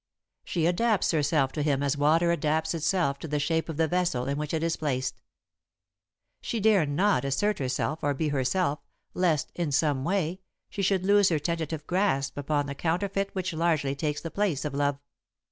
She adapts herself to him as water adapts itself to the shape of the vessel in which it is placed. She dare not assert herself or be herself, lest, in some way, she should lose her tentative grasp upon the counterfeit which largely takes the place of love.